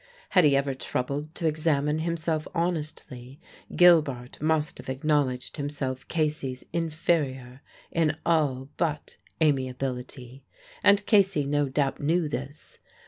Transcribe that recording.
Had he ever troubled to examine himself honestly, Gilbart must have acknowledged himself Casey's inferior in all but amiability; and Casey no doubt knew this.